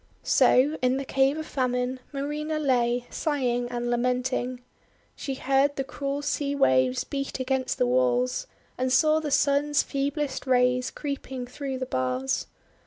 So in the Cave of Famine, Marina lay, sighing and lamenting. She heard the cruel sea waves beat against the walls, and saw the Sun's feeblest rays creeping through the bars.